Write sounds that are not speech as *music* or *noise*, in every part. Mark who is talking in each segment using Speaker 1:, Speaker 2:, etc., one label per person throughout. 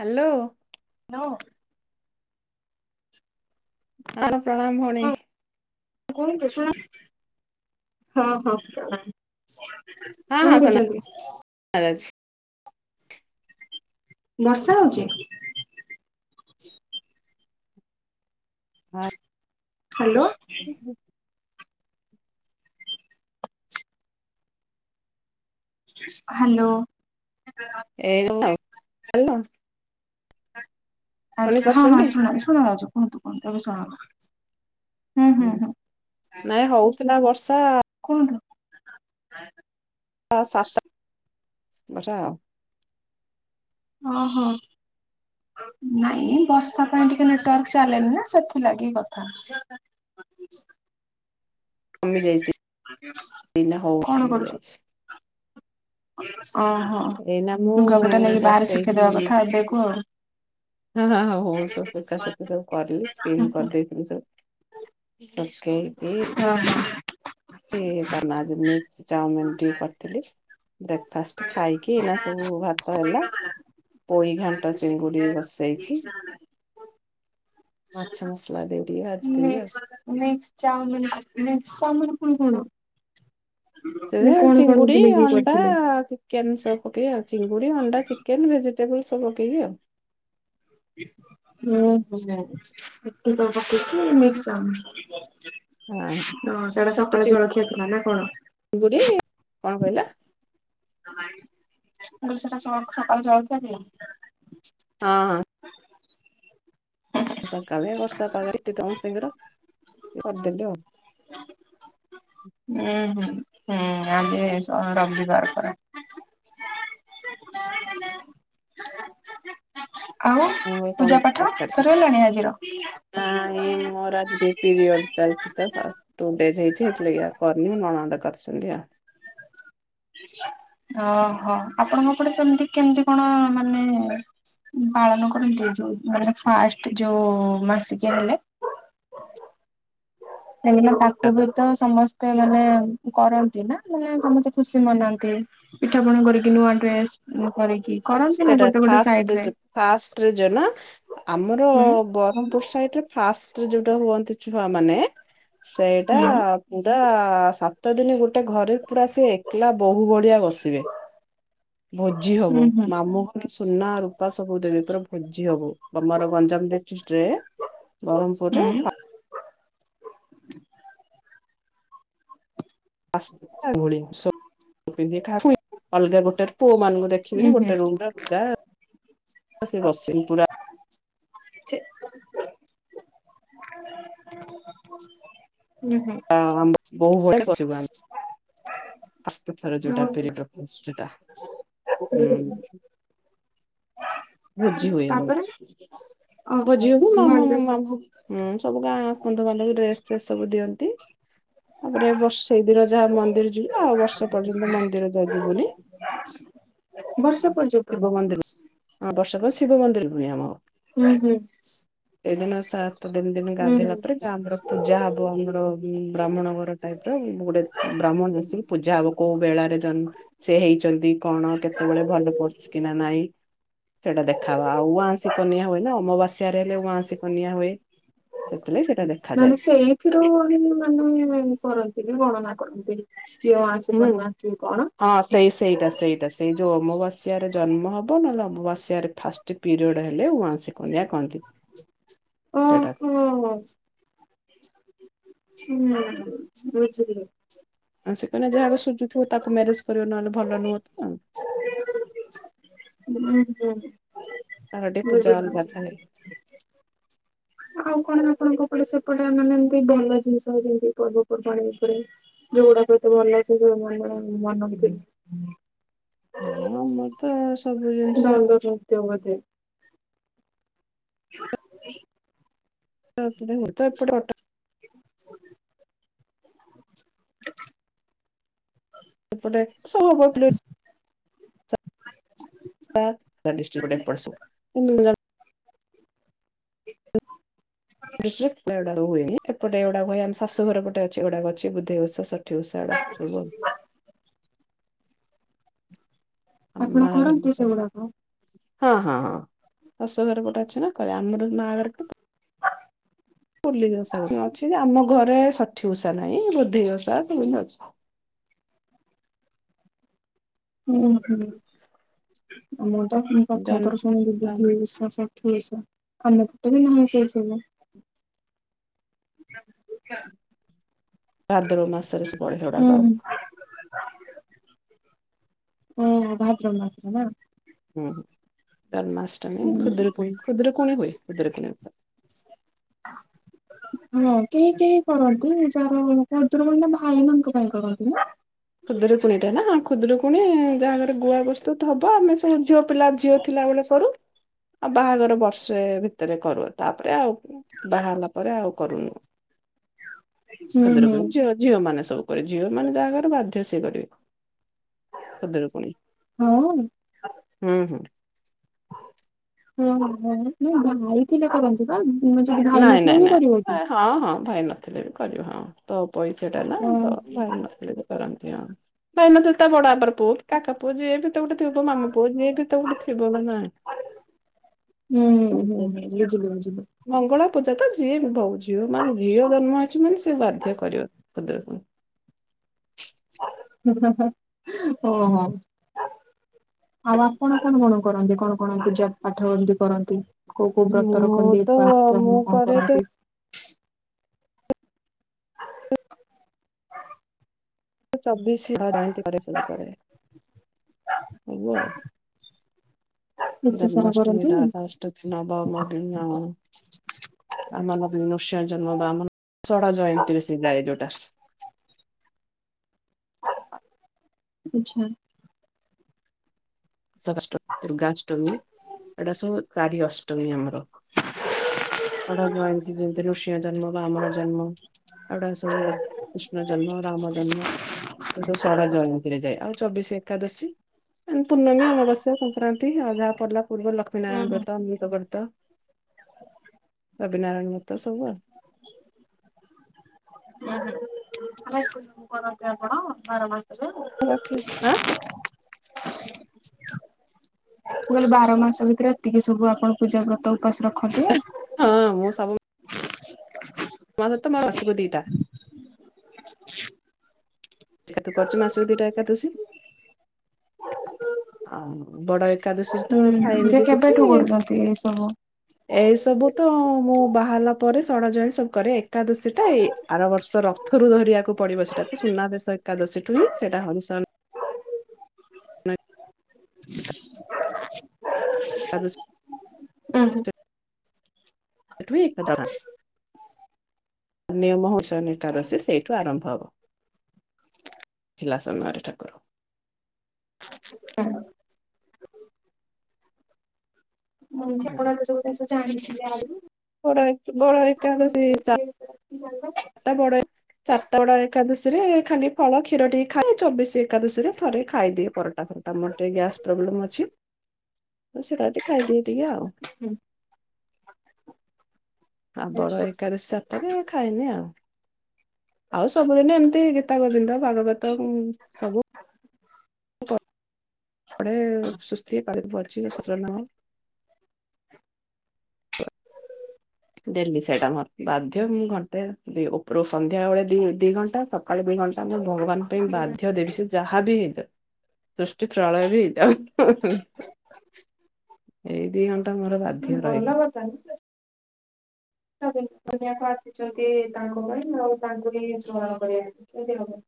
Speaker 1: Hello.
Speaker 2: ନ
Speaker 1: ହଁ ପ୍ରଣାମ ଭଉଣୀ।
Speaker 2: କଣ କଛ ହଁ ହଁ। କଣ କରୁଛନ୍ତି?
Speaker 1: ରେ ଅଛି
Speaker 2: ବର୍ଷା ହଉଛି। ହ୍ୟାଲୋ। ହ୍ୟାଲୋ।
Speaker 1: ଏ ହେଲୋ
Speaker 2: ଆଜ୍ଞା ହଁ ହଁ
Speaker 1: ପାରୁଛନ୍ତି
Speaker 2: ଶୁଣାଯାଉଛି କୁହନ୍ତୁ କହନ୍ତୁ ଏବେ ଶଣ ହୁଁ ହୁଁ ହୁଁ
Speaker 1: ନାଇଁ ହଉଥିଲା ବର୍ଷା
Speaker 2: କୁହନ୍ତୁ।
Speaker 1: ସାତ ବର୍ଷା ଆ
Speaker 2: ଓହୋ। ନାଇଁ ବର୍ଷା ପାଇଁ ଟିକେ ନେଟୱାର୍କ ଚାଲେନି ନା ସେଥିଲାଗି କଥା।
Speaker 1: କମି ଯାଇଛି ଦ ହଉ
Speaker 2: କଣ କରୁଛୁ?
Speaker 1: କମିଯାଇଛି।
Speaker 2: ଓହୋ
Speaker 1: ଏଇନା ମୁଁ
Speaker 2: ଲୁଗା କଟା ନେଇକି ବାହାରେ
Speaker 1: ବସେଇଛି
Speaker 2: ଶୁଖେଇଦବା କଥା ଏବେକୁ ଆଉ।
Speaker 1: ହଁ ହଁ ହଉ ସେବେକା ସବୁ କରଲି ସ୍ପିନ୍ କରିଲି। ସବୁ ପକେଇକି
Speaker 2: ଓ ହ
Speaker 1: ଏ ତା ନା ମିକ୍ସ ଚାଉମିିନ କରିଥିଲି। ବ୍ରେକ୍ଫାଷ୍ଟ ଖାଇକି ଏନା ସବୁ ଭାତ ହେଲା। ପୋଇ ଘାଣ୍ଟ ଚିଙ୍ଗୁଡି ବସି ଯାଇଛି। ମାଛ ମସଲା ଦେଇବି ଟିକେ ଭାଜିଦେବି ଆଉ।
Speaker 2: Mix mix chowmein mix chowmein ପୁଣି କଣ ମାନେ କଣ କଣ
Speaker 1: ଚିଙ୍ଗୁଡି
Speaker 2: ଦେଇକି
Speaker 1: ଅଣ୍ଡା
Speaker 2: କରିଥିଲେ?
Speaker 1: କେନ୍ ସବ ପକେଇ ଆଉ ଚିଙ୍ଗୁଡି ଅଣ୍ଡା ଚିକେନ ଭେଜିଟେବଲ ସବୁ ପକେଇକି ଆଉ।
Speaker 2: ହୁଁ ହୁଁ। ଏତେ ସବୁ ପକେଇକି ମିକ୍ସ ଚାମି ହଁ ସେଟା ସକାଳୁ ଜଳଖିଆ ଥିଲା ନା କଣ?
Speaker 1: ଙ୍ଗୁଡି କଣ କହିଲ
Speaker 2: ମୁଁ କଇଲି ସେଟା ସ ସକାଳୁ ଜଳଖିଆ ଥିଲା।
Speaker 1: ହଁ ହଁ। ସକାଳେ ବର୍ଷା ପାଗରେ ସମମସ୍ତଙ୍କର କରିଦେଲୁ ଆଉ।
Speaker 2: ଉଁ ହୁଁ ହୁଁ ଆଜି ସ ରବିବାର ପରା। ଆଉ
Speaker 1: ମୁଁ କହିଲି କଣ
Speaker 2: ପୂଜା ପାଠ ସରିଗଲାଣି ଆଜିର?
Speaker 1: ନାଆଇ ମୋର ଆଜି ଟିକେ ପିରିୟଡ ଚାଲିଚି ତ। ଟୁ ଡେଜ୍ ହେଇଚି ସେଥିଲାଗି ଆଉ କରିନି ନଣନ୍ଦ କରିଛନ୍ତି ଆଉ।
Speaker 2: ଓହୋ ଆପଣଙ୍କ ଏପଟେ ସେମିତି କେମିତି କଣ ମାନେ ପାଳନ କରନ୍ତି। ଯୋଉ ମାନେ ଫାଷ୍ଟ ଯୋଉ ମାସିକିଆ ହେଲେ। ସେ ଦିନ ତାକୁ ବି ତ ସମସ୍ତେ ମତେ ମାନେ କରନ୍ତି ନା ମାନେ ସମତେ ଖୁସି ମନାନ୍ତି। ପିଠା ପଣା କରିକି ନୂଆ ଡ୍ରେସ ଉଁ କରିକି। କରନ୍ତିନି
Speaker 1: ସେଟା
Speaker 2: ଗୋଟେ ଗୋଟେ ସାଇଡ
Speaker 1: ଫାଷ୍ଟ
Speaker 2: ରେ
Speaker 1: ଜୋ ଫାଷ୍ଟ ରେ ଯୋନା ଆମର
Speaker 2: ହୁଁ
Speaker 1: ବରମପୁର ସାଇଡ ରେ ଫାଷ୍ଟରେ ଯୋଉଟା ହୁଅନ୍ତି ଛୁଆ ମାନେ ସେଇଟା।
Speaker 2: ହୁଁ
Speaker 1: ସେଟା ସାତ ଦିନ ଗୋଟେ ଘରେ ପୁରା ସେ ଏକଲା ବହୁ ଭଳିଆ ବସି। ବେ ଭୋଜି
Speaker 2: ହୁଁ
Speaker 1: ହବ।
Speaker 2: ହୁଁ
Speaker 1: ମୁଁ ସୁନା ରୂପା ସବୁ ଦେବେ ପୁରା ଭୋଜି ହବ। ତମର ଗଞ୍ଜାମ ଡିଷ୍ଟ୍ରିକ୍ଟ ରେ। ବରମପୂର୍
Speaker 2: ହୁଁ
Speaker 1: ରେ ଫା *unintelligible* ଅଲଗା ଗୋଟେ ପୁଅ ମାନଙ୍କୁ
Speaker 2: ଉଁ
Speaker 1: ଦେଖିବିନି
Speaker 2: ହୁଁ
Speaker 1: ଗୋଟେ ରୁମରେ ଲୁଗା ସିଏ ବସିମୀ ପୁରା
Speaker 2: ହୁଁ ହୁଁ।
Speaker 1: *unintelligible* ବଶ୍ଚଟା
Speaker 2: ତାପରେ
Speaker 1: ହୁଁ। ଭୋଜି ହୁଏ
Speaker 2: ଓହୋ
Speaker 1: ଭୋଜି ହବ
Speaker 2: ନନଭେଜ
Speaker 1: *unintelligible* ହୁଁ ସବୁ ଗାଁ ବନ୍ଧୁବାନ୍ଧବ ଡ୍ରେସ ଫ୍ରେସ୍ ସବୁ ଦିଅନ୍ତି। ତାପରେ ବର୍ଷେ ବିର ଯାହା ମନ୍ଦିର ଯିବୁ ଆଉ ବର୍ଷେ ପର୍ଯ୍ୟନ୍ତ ମନ୍ଦିର ଯା ଯିବୁନି।
Speaker 2: ବର୍ଷା ପର୍ଯ୍ୟନ୍ତ
Speaker 1: ଶିବ ମନ୍ଦିର ହଁ ବର୍ଷ ପ ଶିବ ମନ୍ଦିର ପୁଣି ଆମ ହବ।
Speaker 2: ହୁଁ ହୁଁ।
Speaker 1: ଏଇଦିନ ସାତ୍ ଦିନ୍ ଦିନ
Speaker 2: ହୁଁ
Speaker 1: ଗାଧୋଇଲା
Speaker 2: ହୁଁ
Speaker 1: ପରେ ଯାଆ ଆମର ପୂଜା ହବ। ଆଉ ଆମର ବ୍ରାହ୍ମଣ ଘର ଟାଇପ୍ ର ଗୋଟେ ବ୍ରାହ୍ମଣ ଆସିକି ପୂଜା ହବ କୋଉ ବେଳାରେ ଜନ୍ମ ସେ ହେଇଛନ୍ତି କଣ କେତେବେଳେ ଭଲ ପଡୁଛି କି ନା ନାଇଁ। ସେଟା ଦେଖାବା ଆଉ ଉଆଁଶି କନିଆ ହୁଏ ନା ଅମବାସ୍ୟାରେ ହେଲେ ଉଆଁସି କନିଆ ହୁଏ। ସେଥିଲାଗି ସେଟା
Speaker 2: ମାନେ ସେଇଥିରୁ ହିଁ ମାନେ କରନ୍ତି କି ଗଣନା କରନ୍ତି। କିଏ ଅଆଁଶୀ
Speaker 1: ହୁଁ
Speaker 2: ପରମାଣ କିଏ କଣ
Speaker 1: ହଁ ସେଇ ସେଇଟା ସେଇଟା ସେ। ଏଇ ଯୋଉ ଅମାବାସ୍ୟାରେ ଜନ୍ମ ହବ ନହେଲେ ଅମାବାସ୍ୟାରେ ଫାଷ୍ଟ ପିରିୟଡ ହେଲେ ଉଆଁସି କନ୍ୟା କଅନ୍ତି। ସେଟା।
Speaker 2: ହଁଅ। ହୁଁ। ବୁଝିଲି।
Speaker 1: ଆଉ ସେ କହିଲା ଯାହାକୁ ସୁଝୁଥିବ ତାକୁ ମ୍ୟାରେଜ କରିବ ନହେଲେ ଭଲ ନୁହଁ ତ।
Speaker 2: ଉଁ ହୁଁ
Speaker 1: ତାର ଟିକେ ପୂଜା ଅଲଗା ଥାଏ
Speaker 2: ହୁଁ। ଆଉ କଣ ଆପଣଙ୍କ ଏପଟେ ସେପଟେ ମାନେ ଏମିତି ଭଲ ଜିନିଷ ଯେମିତି ପର୍ବପର୍ବାଣି ଉପରେ। ଯୋଉଗୁଡାକ ଏତେ ଭଲ ସେ *unintelligible*
Speaker 1: ହଁ ଆମର ତ ସବୁ ଜିନିଷ।
Speaker 2: *unintelligible* ମତେ *unintelligible*
Speaker 1: *unintelligible*
Speaker 2: *unintelligible*
Speaker 1: ଏପଟେ *unintelligible* *unintelligible*
Speaker 2: *unintelligible*
Speaker 1: *unintelligible* ହୁଏ ଏପଟ ଏଗୁଡାକ ହୁ ଆମ ଶାଶୁ ଘର ପଟେ ଅଛିଗୁଡାକ ଅଛି ବଦ୍ଧି *unintelligible*
Speaker 2: ଆପଣ କରନ୍ତି ସେଗୁଡାକ?
Speaker 1: *unintelligible* ହଁ ହଁ ହଁ ଶାଶୁ ଘର ଗୋଟେ ଅଛି ନା କହିଲ ଆମର ମା ଘର ପୁଲଷା ଅଛି ଆମ ଘରେ ଷଠି ଉଷା ନାହିଁ ବୃଦ୍ଧି ଓଷା ସେମିତି ଅଛି।
Speaker 2: ହୁଁ ହୁଁ ମୁମ ତ ମୁ
Speaker 1: ଜହ୍ନ
Speaker 2: କଥାବାର୍ତର ଶୁଣିବି। ଠିକସ ସଠିକସ ଆନ୍ୟ ପଟେ ବି ନାହିଁ ସେ ସବୁ *unintelligible*
Speaker 1: ଭାଦ୍ରବ ମାସରେ *unintelligible*
Speaker 2: ହୁଁ ହୁଁ ଭାଦ୍ରବ ମାସରେ ନା।
Speaker 1: ହୁଁ ଜନ୍ମାଷ୍ଟମୀ ଖୁଦୁରୁକୁଣୀ ଖୁଦୁରୁକୁଣୀ ହୁଏ ଖୁଦୁରୁକୁଣୀ ଓଷା।
Speaker 2: *inaudible*
Speaker 1: *inaudible*
Speaker 2: ହଁ କେହି କେହି କରନ୍ତି *unintelligible* ଖୁଦୁରୁକୁଣୀ ଟା ଭାଇମାନାଙ୍କ ପାଇଁ କରନ୍ତି ନା।
Speaker 1: ଖୁଦୁରୁକୁଣୀ ଟା ନା ଖୁଦୁରୁକୁଣୀ ଯାହା ଘରେ ଗୁଆ *unintelligible* ହବ ଆମେ ସବୁ ଝିଅ ପିଲା ଝିଅ ଥିଲା ବଳେ ସରୁ ଆଉ ବାହାଘର ବର୍ଷେ ଭିତରେ କରୁ ତାପରେ ଆଉ ବାହାହେଲା ପରେ ଆଉ କରୁନୁ
Speaker 2: ହୁଁ ହୁଁ
Speaker 1: ଖୁଦୁରୁକୁଣୀ *unintelligible* ଝିଅ ମାନେ ସବୁ କରିବେ ଝିଅ ମାନେ ଯାହା ଘରେ ବାଧ୍ୟ ସିଏ କରିବେ ଖୁଦୁରୁକୁଣୀ।
Speaker 2: ହଁ।
Speaker 1: ହୁଁ ହୁଁ।
Speaker 2: ଓହୋ *unintelligible* ଥିଲେ କରନ୍ତି ପା ଉଁ ଯଦି ଭାଇ
Speaker 1: ନାଇଁ ନାଇଁ
Speaker 2: ନଥିବ ବି
Speaker 1: ନାଇଁ।
Speaker 2: କରିବ କି।
Speaker 1: ହଁ ହଁ ଭାଇ ନଥିଲେ ବି କରିବ ହଁ ତପୋଇ ସେଟା ନା
Speaker 2: ଓ
Speaker 1: ତ ଭାଇ ନ ଥିଲେ ବି କରନ୍ତି ହଁ ଭାଇ ନଥିଲେ ତା ବଡାଆପର ପୁଅ କି କାକା ପୁଅ ଯିଏ ବି ତ ଗୁଟେ ଥିବ ତୋ ମାମୁଁ ପୁଅ ଯିଏ ବି ତ ଗୁଟେ ଥିବ ନା ନାଇଁ।
Speaker 2: ହୁଁ ହୁଁ ହୁଁ ବୁଝି *unintelligible*
Speaker 1: ମଙ୍ଗଳା ପୂଜା ତ ଯିଏ *unintelligible* ଝିଅ ମାନେ ଝିଅ ଜନ୍ମ ହେଇଛୁ ମାନେ ସିଏ ବାଧ୍ୟ କରିବାକୁ ଖୁଦୁରୁକୁଣୀ
Speaker 2: ଓହୋ। ଆଉ ଆପଣ କଣ କଣ କରନ୍ତି କଣ କଣ ପୂଜା ପାଠ ଏମତି କରନ୍ତି। କୋଉ କୋଉ ବ୍ରତ
Speaker 1: ମୁଁ
Speaker 2: ରଖନ୍ତି
Speaker 1: ତ
Speaker 2: *unintelligible*
Speaker 1: ମୁଁ
Speaker 2: କଁ
Speaker 1: କରେ ତ
Speaker 2: କରନ୍ତି। *unintelligible*
Speaker 1: ଚବିଶି *unintelligible* କରେ ସବୁ କରେ। *unintelligible*
Speaker 2: ଏତେ ସାରା କରନ୍ତି
Speaker 1: ଜନ୍ମାଷ୍ଟମୀ ରାଧାଷ୍ *unintelligible* ଆମ ନୃସିଂହ ଜନ୍ମ ବା ଆମ ସଡା ଜୟନ୍ତୀରେ ସିଏ ଯାଏ ଯୋଉଟା।
Speaker 2: ଆଚ୍ଛା।
Speaker 1: ଷଷ୍ଠ ଦୁର୍ଗାଷ୍ଟମୀ ଏଟା ସବୁ କାରି ଅଷ୍ଟମୀ ଆମର ସଢ଼ ଜୟନ୍ତୀ ଯେମିତି ଋଷିଙ୍କ ଜନ୍ମ ବା ଆମର ଜନ୍ମ। ଏଗୁଡା ସବୁ କୃଷ୍ଣ ଜନ୍ମ ରାମ ଜନ୍ମ ଏସବୁ ସଢ଼ ଜୟନ୍ତୀରେ ଯାଏ ଆଉ ଚବିଶି ଏକାଦଶୀ। ପୂର୍ଣ୍ଣମୀ ଅମାବାସ୍ୟା ସଂକ୍ରାନ୍ତି ଆଉ ଯାହା ପଡ଼ିଲା ପୂର୍ବ ଲକ୍ଷ୍ମୀ
Speaker 2: ହୁଁ
Speaker 1: ନାରାୟଣ
Speaker 2: ହୁଁ
Speaker 1: ବ୍ରତ *unintelligible* ବର୍ତ। ରବିନାରାୟଣ ବ୍ରତ ସବୁ ଆଉ।
Speaker 2: *unintelligible* କରନ୍ତି ଆପଣ ବାର ମାସରେ।
Speaker 1: *unintelligible*
Speaker 2: ମୁଁ କହିଲି ବାର ମାସ ଭିତରେ ଏତିକି ସବୁ ଆପଣ ପୂଜା ବ୍ରତ ଉପାସ ରଖନ୍ତି।
Speaker 1: ହଁ ମୁଁ ସବୁ *unintelligible* ମୋରୋ ମାସୁକୁ ଦିଟା। ଯେହେତୁ କରୁଚୁ ମାସୁକୁ ଦିଟା ଏକାଦଶୀ। ଆଉ ବଡ ଏକାଦଶୀରେ ତ ଖାଏନି
Speaker 2: ଯେ
Speaker 1: ବି କିଛି।
Speaker 2: କେବେଠୁ କରୁଛନ୍ତି ଏଇ ସବୁ?
Speaker 1: ଏଇ ସବୁ ତ ମୋ ବାହା ହେଲା ପରେ ସଢ଼ *unintelligible* ସବୁ କରେ ଏକାଦଶୀ ଟା ଏଇ ଆର ବର୍ଷ ର ଥୁରୁ ଧରିବାକୁ ପଡିବ ସେଟା ତ ସୁନାବେଶ ଏକାଦଶୀଠୁ ହିଁ ସେଟା *unintelligible* *unintelligible*
Speaker 2: ଉଁ ହୁଁ।
Speaker 1: *unintelligible* ନିୟମ *unintelligible* ସିଏ ସେଇଠୁ ଆରମ୍ଭ ହବ। ଥିଲା ସମୟରେ ଠାକୁର।
Speaker 2: ମୁଁ ଯେ ଆପଣ ଏତେ ସବୁ ଜିନ୍ସ ଜାଣିଥିଲେ *unintelligible*
Speaker 1: ବଡ ଏକ ବଡ
Speaker 2: ଆପଣ
Speaker 1: ଏକାଦଶୀ ଚା
Speaker 2: *unintelligible*
Speaker 1: ଏଟା ବଡ ଚାରଟା ବଡ ଏକାଦଶୀରେ ଖାଲି ଫଳ, କ୍ଷୀର ଟିକେ ଖାଏ ଚବିଶି ଏକାଦଶୀ ରେ ଥରେ ଖାଇଦିଏ ପର ତାପରେ ତ ମୋର ଟିକେ ଗ୍ୟାସ୍ ପ୍ରୋବ୍ଲେମ ଅଛି। ତ ସେଇଟା ଟିକେ ଖାଇଦିଏ ଟିକେ ଆଉ।
Speaker 2: ହୁଁ।
Speaker 1: ତାପର
Speaker 2: ଆଚ୍ଛା
Speaker 1: ଏକାଦଶୀ ଚାରଟାରେ ଖାଏନି ଆଉ। ଆଉ ସବୁଦିନ ଏମିତି ଗୀତା ଗୋବିନ୍ଦ ଭାଗବତ ଉଁ ସବୁ। ପଢ଼େ ସୁସ୍ଥି ପାରେ ପର୍ଜିବେଶନ। ଡେଲି ସେଇଟା ମୋର ବାଧ୍ୟ ମୁଁ ଘଣ୍ଟେ ଦି ଉପରୁ ସନ୍ଧ୍ୟାବେଳେ ଦି ଦି ଘଣ୍ଟା ସ ସକାଳେ ଦି ଘଣ୍ଟା ମୁଁ ଭଗବାନଙ୍କ ପାଇଁ ବାଧ୍ୟ ଦେବି ସ ଯାହା ବି ହେଇଯାଉ ସୃଷ୍ଟି ପ୍ରଳୟ ବି ହେଇଯାଉ ହୁଁ ହୁଁ। ଏଇ ଦି ଘଣ୍ଟା ମୋର ବାଧ୍ୟ ରହିବ।
Speaker 2: ଅ ଜାଣିଚ। ତା ପାଇଁ କି ଦୁନିଆ କୁ ଆସିଛନ୍ତି ତାଙ୍କ ପାଇଁ ଆଉ ତାଙ୍କୁ ବି ସ୍ମରଣ କରିବା କେମିତି ହବ?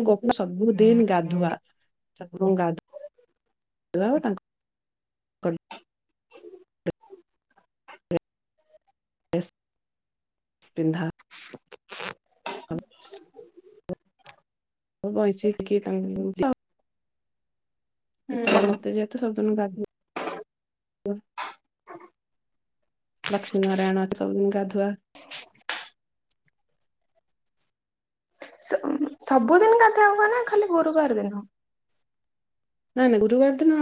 Speaker 1: ଏ ଗୋକୁ ସବୁଦିନ ଗାଧୁଆ ଠାକୁରଙ୍କୁ ଗାଧୁ ଆ ତାଙ୍କୁ। *unintelligible* ପିନ୍ଧା। ଓ ବଇଶି କିଏ ତାଙ୍କୁ *unintelligible*
Speaker 2: ହୁଁ।
Speaker 1: କେତେବେଳେ ମତେ ଯେହେତୁ ସବୁଦିନ ଗା ଲକ୍ଷ୍ମୀ, ନାରାୟଣ ସବୁଦିନ ଗାଧୁଆ।
Speaker 2: ସବୁଦିନ ଗାଧୁଆ ହବ୍ ନା ଖାଲି ଗୁରୁବାର ଦିନ?
Speaker 1: ନାଇଁ ନାଇଁ ଗୁରୁବାର ଦିନ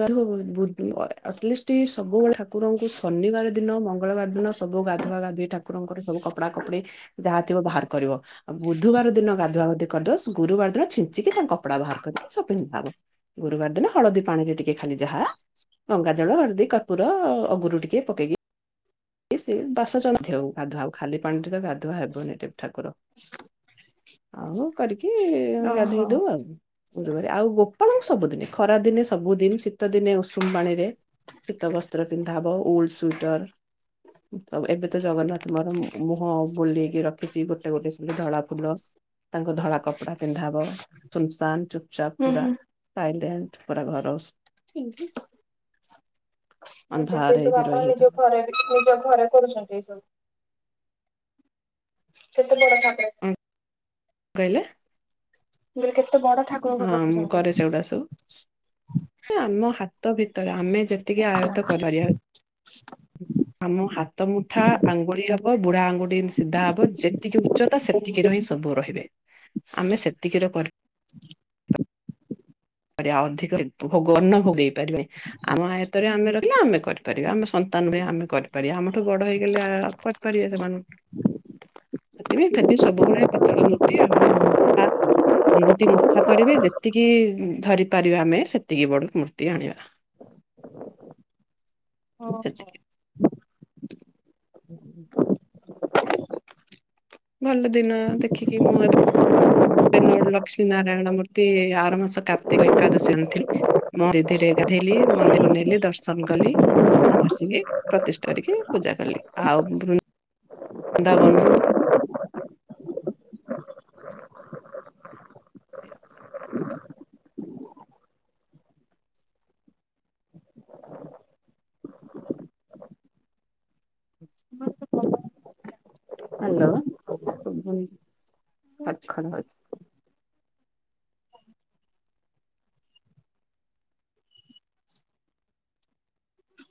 Speaker 1: ଗାଧୁଆ *unintelligible* ବୁ ଅ ଏ ଆଟଲିଷ୍ଟି ସବୁବେଳେ ଠାକୁରଙ୍କୁ ଶନିବାର ଦିନ, ମଙ୍ଗଳବାର ଦିନ ସବୁ ଗାଧୁଆ ଗାଧୁଇ ଠାକୁରଙ୍କର ସବୁ କପଡ଼ା କପଡି। ଯାହା ଥିବ ବାହାର କରିବ। ଆଉ ବୁଧବାର ଦିନ ଗାଧୁଆ ଗାଧି କରିଦବ ଗୁରୁବାର ଦିନ ଛିଞ୍ଚିକି ତାଙ୍କ କପଡା ବାହାର କରିକି ସ ପିନ୍ଧା ହବ। ଗୁରୁବାର ଦିନ ହଳଦୀ ପାଣିରେ ଟିକେ ଖାଲି ଯାହା। ଗଙ୍ଗାଜଳ, ହଳଦୀ, କର୍ପୁର, ଅଗୁରୁ ଟିକେ ପକେଇକି। ସିଏ ବାସ *unintelligible* ହଉ ଗାଧୁଆ ହଉ ଖାଲି ପାଣିରେ ତ ଗାଧୁଆ ହେବନି ଟି ଠାକୁର। ଆଉ କରିକି
Speaker 2: ଓହୋ
Speaker 1: ଗାଧେଇ ଦଉ ଆଉ। ଗୁରୁବାରେ ଆଉ ଗୋପଳଙ୍କୁ ସବୁଦିନେ ଖରା ଦିନେ ସବୁଦିନ ଶୀତ ଦିନେ ଉଷୁମ ପାଣିରେ। ଶୀତ ବସ୍ତ୍ର ପିନ୍ଧା ହବ ଉଲ୍ ସୁଇଟର। ତ ଏବେ ତ ଜଗନ୍ନାଥ ମୋର ମୁ-ମୁହଁ ବୁଲେଇକି ରଖିଛି ଗୋଟେ ଗୋଟେ ସେ ଯୋଉ ଧଳା ଫୁଲ। ତାଙ୍କୁ ଧଳା କପଡା ପିନ୍ଧା ହବ ସୁନସାନ ଚୁ ଚାପ
Speaker 2: ହୁଁ
Speaker 1: ପୁରା
Speaker 2: ହୁଁ
Speaker 1: ସାଇଲେଣ୍ଟ ପୁରା ଘର ସ୍।
Speaker 2: ଆଚ୍ଛା ସେଇ ସବୁ ଆପଣ ନିଜ ଘରେ ନିଜ ଘରେ କରୁଛନ୍ତି ଏଇ ସବୁ? କେତେ ବଡ ଠାକୁର?
Speaker 1: ଉଁ କହିଲେ।
Speaker 2: ମୁଁ କହିଲି କେତେ ବଡ଼ ଠା
Speaker 1: ହଁ ମୁଁ କରେ ସେଗୁଡ଼ା ସବୁ। ଆମ ହାତ ଭିତରେ ଆମେ ଯେତିକି ଆୟତ
Speaker 2: ଆଚ୍ଛା।
Speaker 1: କରି ପାରିବା। ଆମ ହାତ ମୁଠା ଆଙ୍ଗୁଳି ହବ ବୁଢା ଆଙ୍ଗୁଠି ଏମିତି ସିଧା ହବ ଯେତିକି ଉ ଚତା ସେତିକି ର ହିଁ ସବୁ ରହିବେ ଆମେ ସେତିକିର କ ପାରିବା ଅଧିକ *unintelligible* ଭୋ-ଭୋଗ ଅନ୍ନ ଭୋଗ ଦେଇ ପାରିବାନି। ଆମ ଆୟତରେ ଆମେ ରହିଲେ ଆମେ କରିପାରିବା ଆମ ସନ୍ତାନ ପାଇଁ ଆମେ କରିପାରିବା ଆମଠୁ ବଡ ହେଇଗଲେ ଆଉ କ କରିବା ସେମାନ। ସେଥିପାଇଁ *unintelligible* ସବୁବେଳେ ପିତଳ ମୂର୍ତ୍ତି *unintelligible* ଆଙ୍ଗୁଠି ମୁଠା କରିବେ ଯେତିକି ଉଁ। ଧରି ପାରିବା ଆମେ ସେତିକି ବଡ ମୂର୍ତ୍ତି ଆଣିବା।
Speaker 2: ଓ ହୋ।
Speaker 1: ସେତିକି। *inaudible* ଭଲ ଦିନ ଦେଖିକି ମୁଁ ଏବେ ବେନର ଲକ୍ଷ୍ମୀ ନାରାୟଣ ମୂର୍ତି ଆର ମାସ କାର୍ତ୍ତିକ ଏକାଦଶୀ ଆଣିଥିଲି। *unintelligible* ନେଲି ଦର୍ଶନ କଲି। ଆସିକି ପ୍ରତିଷ୍ଠା କରିକି ପୂଜା କଲି ଆଉ ବୃ ନ୍ଦାବନରୁ *inaudible*
Speaker 2: ଭଲ।
Speaker 1: ହ୍ୟାଲୋ ଶୁଭୁନି ଖଡ଼ ଖଡ଼ ହୋଉଚି।